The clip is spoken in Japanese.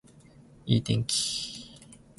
今日は良い天気です